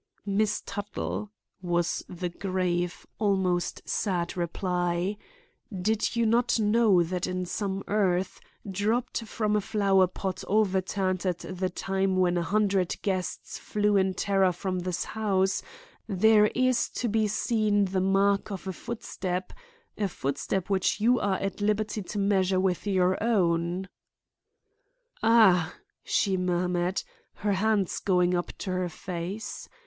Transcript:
"Miss Tuttle," was the grave, almost sad reply, "did you not know that in some earth, dropped from a flower pot overturned at the time when a hundred guests flew in terror from this house, there is to be seen the mark of a footstep,—a footstep which you are at liberty to measure with your own?" "Ah!" she murmured, her hands going up to her face.